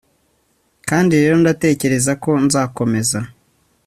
kandi rero ndatekereza ko nzakomeza